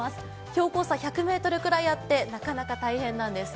標高差１００ｍぐらいあってなかなか大変なんです。